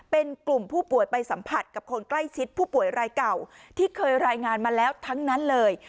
เป็นกลุ่มผู้ป่วยไปสัมผัสกับคนใกล้ชิดผู้ป่วยรายเก่าที่เคยรายงานมาแล้วทั้งนั้นเลย